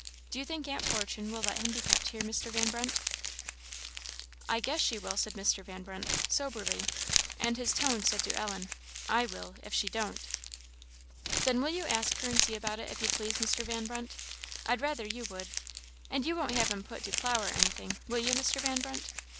Do you think aunt Fortune will let him be kept here, Mr. Van Brunt?" "I guess she will," said Mr. Van Brunt, soberly, and his tone said to Ellen, "I will, if she don't." "Then will you ask her and see about it, if you please, Mr. Van Brunt! I'd rather you would. And you won't have him put to plough or anything, will you, Mr. Van Brunt?